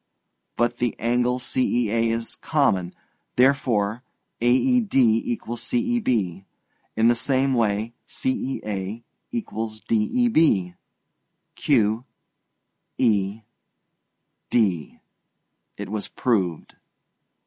'But the angle CEA is common, therefore AED equals CEB. In the same way CEA equals DEB. QED.' It was proved.